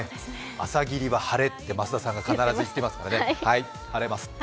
朝霧は晴れって増田さんが必ず言っていますからね、晴れます。